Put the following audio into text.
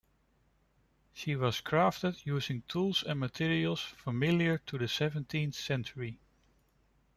She was crafted using tools and materials familiar to the seventeenth century.